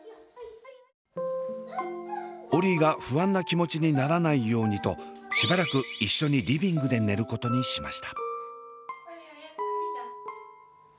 オリィが不安な気持ちにならないようにとしばらく一緒にリビングで寝ることにしました。